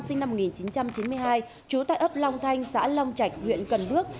sinh năm một nghìn chín trăm chín mươi hai trú tại ấp long thanh xã long trạch huyện cần đước